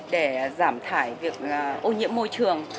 để giảm thải việc ô nhiễm môi trường